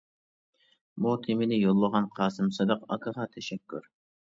بۇ تېمىنى يوللىغان قاسىم سىدىق ئاكىغا تەشەككۈر.